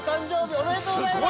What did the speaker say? ◆おめでとうございます。